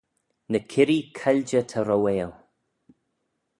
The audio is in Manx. Ny kirree cailjey ta rouail.